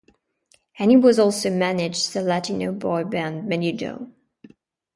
And he was also managed the Latino boy band Menudo.